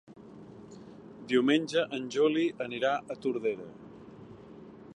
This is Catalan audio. Diumenge en Juli anirà a Tordera.